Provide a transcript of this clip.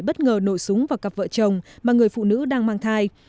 bất ngờ nổ súng vào cặp vợ chồng mà người phụ nữ đang mang thai